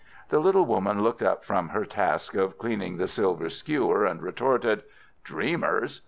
The little woman looked up from her task of cleaning the silver skewer, and retorted: "Dreamers!